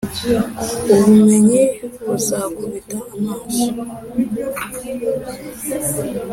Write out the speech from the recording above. ubumenyi buzakubita amaso